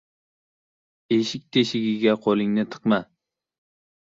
• Eshik teshigiga qo‘lingni tiqma.